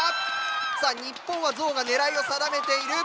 さあ日本はゾウが狙いを定めている。